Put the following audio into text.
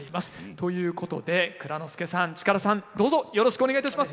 ということで内蔵助さん主税さんどうぞよろしくお願いいたします。